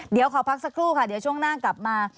เดี๋ยวขอพักสักครู่ค่ะเดี๋ยวช่วงหน้ากลับมา